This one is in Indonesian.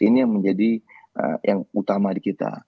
ini yang menjadi yang utama di kita